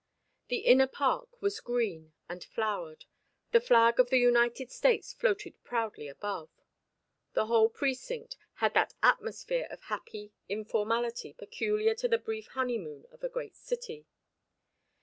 The inner park was green and flowered; the flag of the United States floated proudly above. The whole precinct had that atmosphere of happy informality peculiar to the brief honeymoon of a great city.